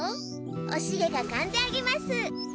おシゲがかんであげます。